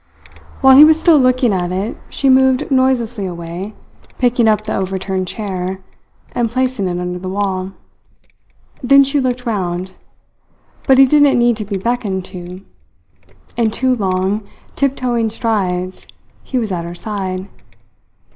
While he was still looking at it she moved noiselessly away, picking up the overturned chair, and placed it under the wall. Then she looked round; but he didn't need to be beckoned to. In two long, tiptoeing strides he was at her side.